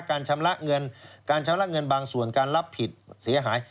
การชำระเงินบางส่วนการรับผิดเสียหาย